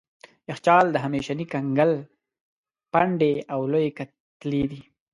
یخچال د همیشني کنګل پنډې او لويې کتلې دي.